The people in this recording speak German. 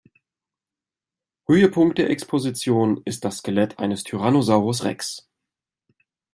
Höhepunkt der Exposition ist das Skelett eines Tyrannosaurus Rex.